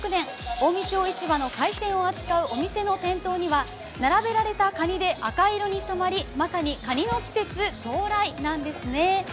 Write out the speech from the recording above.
近江町市場の海鮮を扱うお店の店頭には並べられたかにで赤色に染まりまさに、かにの季節到来なんですね